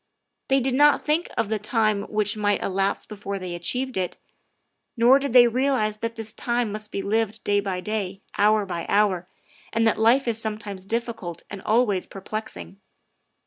They did not think of the time which might elapse before they achieved it ; nor did they realize that this time must be lived day by day, hour by hour, and that life is sometimes difficult and always perplexing.